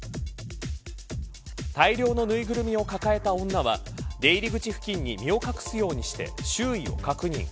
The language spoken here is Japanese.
大量のぬいぐるみを抱えた女は出入り口付近に身を隠すようにして周囲を確認。